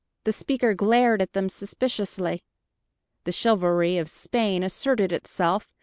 The speaker glared at them suspiciously. The chivalry of Spain asserted itself.